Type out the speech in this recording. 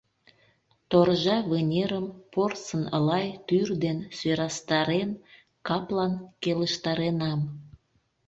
Торжа вынерым порсын лай тӱр ден Сӧрастарен, каплан келыштаренам.